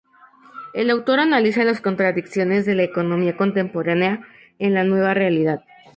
El autor analiza las contradicciones de la economía contemporánea, en "La nueva realidad.